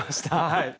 はい。